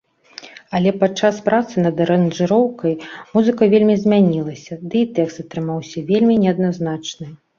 Але падчас працы над аранжыроўкай музыка вельмі змянілася, ды і тэкст атрымаўся вельмі неадназначны.